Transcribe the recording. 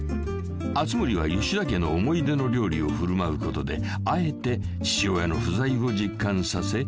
［熱護は吉田家の思い出の料理を振る舞うことであえて父親の不在を実感させ］